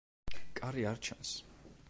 კარი არ ჩანს.